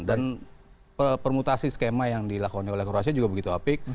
dan permutasi skema yang dilakon oleh croatia juga begitu apik